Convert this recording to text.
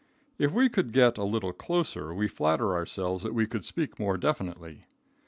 If we could get a little closer, we flatter ourselves that we could speak more definitely.